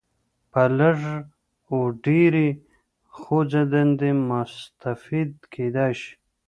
په لږ و ډېرې خوځېدنې مستفید کېدای شي.